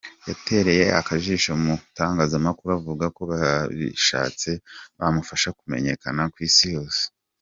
Yatereye akajisho mu itangazamakuru avuga ko babishatse bamufasha kumenyekana ku isi yose.